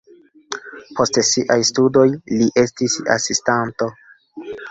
Post siaj studoj li estis asistanto.